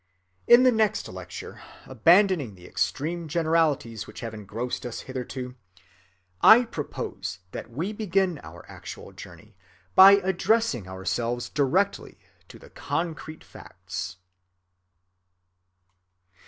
In the next lecture, abandoning the extreme generalities which have engrossed us hitherto, I propose that we begin our actual journey by addressing ourselves directly to the concrete facts.